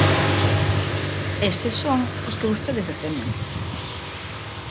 Estes son os que vostedes defenden.